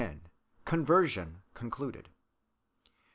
CONVERSION—CONCLUDED.